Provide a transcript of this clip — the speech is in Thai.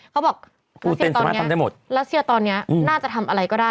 เขาบอกรัสเซียตอนนี้รัสเซียตอนนี้น่าจะทำอะไรก็ได้